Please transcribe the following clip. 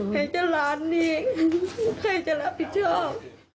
ใครจะรักนี่ใครจะรักผิดชอบ